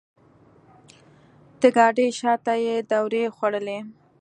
د ګاډۍ شاته یې دورې خوړلې.